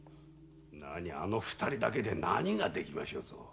なにあの二人だけで何ができましょうぞ。